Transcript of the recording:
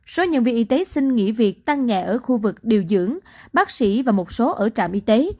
số nhân viên y tế xin nghỉ việc tăng nhẹ ở khu vực điều dưỡng bác sĩ và một số ở trạm y tế